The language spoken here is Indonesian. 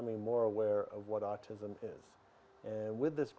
menjadi lebih yakin dengan apa itu autism